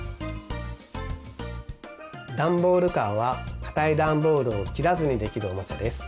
ダンボールカーはかたいダンボールを切らずにできるおもちゃです。